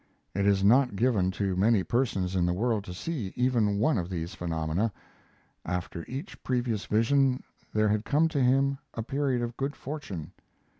It is not given to many persons in this world to see even one of these phenomena. After each previous vision there had come to him a period of good fortune.